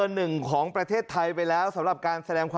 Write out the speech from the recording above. และก็มีการกินยาละลายริ่มเลือดแล้วก็ยาละลายขายมันมาเลยตลอดครับ